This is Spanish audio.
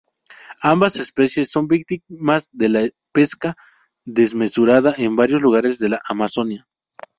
Ambas especies son víctimas de la pesca desmesurada en varios lugares de la Amazonia.